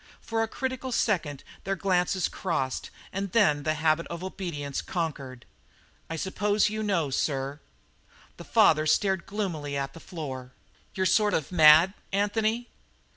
For a critical second their glances crossed and then the habit of obedience conquered. "I suppose you know, sir." The father stared gloomily at the floor. "You're sort of mad, Anthony?"